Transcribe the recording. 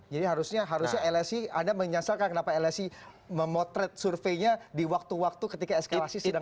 harusnya harusnya lsi anda menyasarkan kenapa lsi memotret surveinya di waktu waktu ketika eskalasi sidang